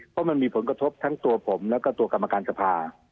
เพราะมันมีผลกระทบทั้งตัวผมแล้วก็ตัวกรรมการสภา